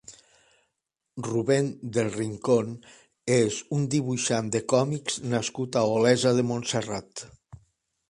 Rubén del Rincón és un dibuixant de còmics nascut a Olesa de Montserrat.